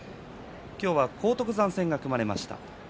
今日は荒篤山戦が組まれました。